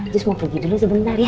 terus mau pergi dulu sebentar ya